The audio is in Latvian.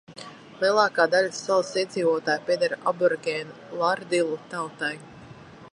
Lielākā daļa salas iedzīvotāju pieder aborigēnu lardilu tautai.